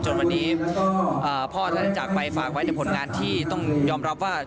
จนวันนี้พ่อท่านจากไปฝากไว้ในผลงานที่ต้องยอมรับว่า